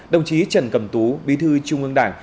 đồng chí trần cẩm tú bí thư trung ương đảng